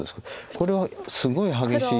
これはすごい激しい。